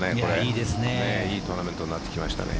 いいトーナメントになってきました。